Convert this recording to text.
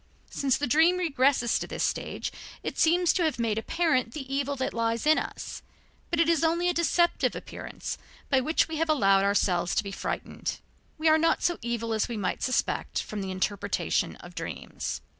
Since the dream regresses to this stage, it seems to have made apparent the evil that lies in us. But it is only a deceptive appearance by which we have allowed ourselves to be frightened. We are not so evil as we might suspect from the interpretation of dreams.